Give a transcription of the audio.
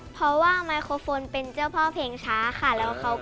เพราะว่าไมโครโฟนเป็นเจ้าพ่อเพลงช้าค่ะ